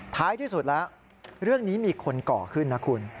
ท้ายที่สุดแล้วเรื่องนี้มีคนก่อขึ้นนะคุณ